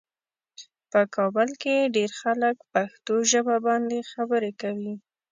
په کابل کې ډېر خلک پښتو ژبه باندې خبرې کوي.